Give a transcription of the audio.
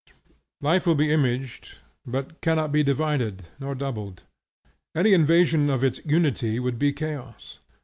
Life will be imaged, but cannot be divided nor doubled. Any invasion of its unity would be chaos.